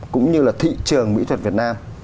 cũng như là thị trường mỹ thuật việt nam